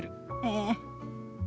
ええ。